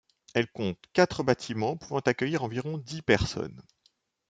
Elle compte quatre bâtiments pouvant accueillir environ dix personnes.